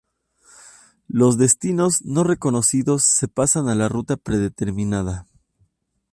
Los destinos no reconocidos se pasan a la ruta predeterminada.